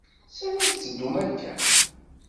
S ani i tettedum akka?